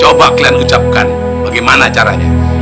coba kalian ucapkan bagaimana caranya